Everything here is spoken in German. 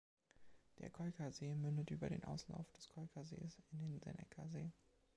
Der Keuka-See mündet über den Auslauf des Keuka-Sees in den Seneca-See.